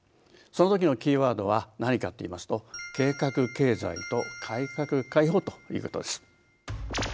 そのときのキーワードは何かって言いますと計画経済と改革開放ということです。